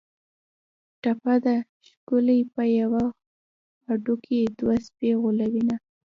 ټپه ده: ښکلي په یوه هډوکي دوه سپي غولوینه